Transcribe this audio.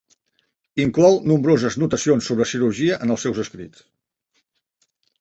Inclou nombroses notacions sobre cirurgia en els seus escrits.